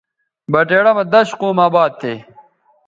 بٹیڑہ مہ دش قوم اباد تھے